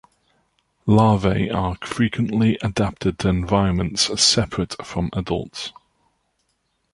Larvae are frequently adapted to environments separate from adults.